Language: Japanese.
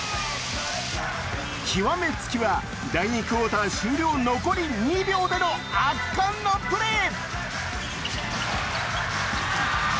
極め付きは、第２クオーター終了残り２秒での圧巻のプレー。